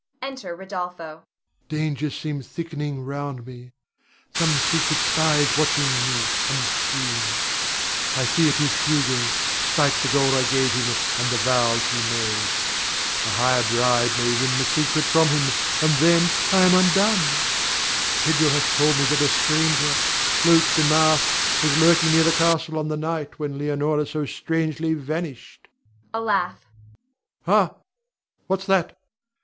Enter Rodolpho.] Rod. Dangers seem thickening round me. Some secret spy is watching me unseen, I fear 'tis Hugo, spite the gold I gave him, and the vows he made. A higher bribe may win the secret from him, and then I am undone. Pedro hath told me that a stranger, cloaked and masked, was lurking near the castle on the night when Leonore so strangely vanished [a laugh]. Ha! what's that?